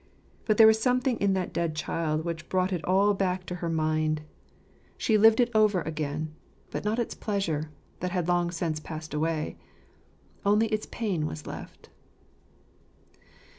But there was Something in that dead child which brought it all back to JHemorjr " anti " ftccaUtttton." 87 her mind ; she lived it over again : but not its pleasure, that had long since passed away ; only its pain was left.